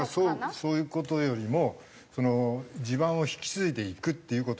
それはそういう事よりも地盤を引き継いでいくっていう事ね。